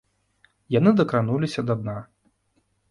Яны дакрануліся да дна.